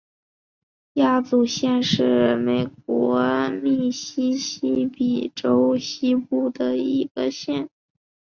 亚祖县是美国密西西比州西部的一个县。